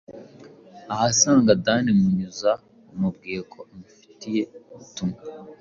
ahasanga Dan Munyuza wamubwiye ko amufitiye ubutumwa